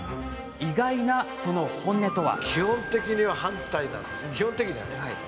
意外な、その本音とは。